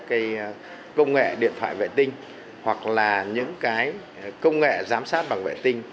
cái công nghệ điện thoại vệ tinh hoặc là những cái công nghệ giám sát bằng vệ tinh